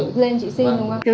tự lên chị xin đúng không